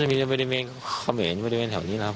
จะมีประเด็นแมนเขมรประเด็นแมนแถวนี้นะครับ